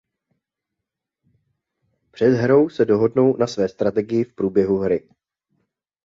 Před hrou se dohodnou na své strategii v průběhu hry.